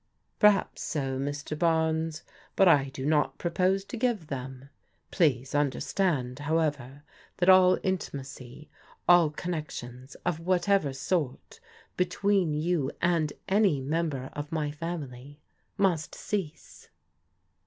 " Perhaps so, Mr. Barnes, but I do not propose to give them. Please understand, however, that all intimacy, all connections of whatever sort between you and any mem ber of my family must cease."